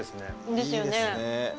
ですよね。